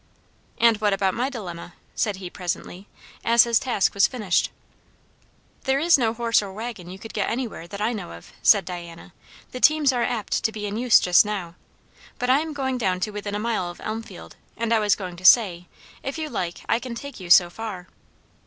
"And what about my dilemma?" said he presently, as his task was finished. "There is no horse or waggon you could get anywhere, that I know of," said Diana. "The teams are apt to be in use just now. But I am going down to within a mile of Elmfield; and I was going to say, if you like, I can take you so far."